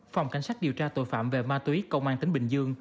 phòng cảnh sát điều tra tội phạm về ma túy công an tỉnh bình dương